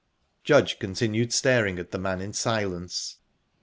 Judge continued staring at the man in silence.